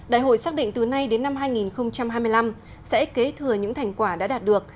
đại hội xác định từ nay đến năm hai nghìn hai mươi năm sẽ kế thừa những thành quả đã đạt được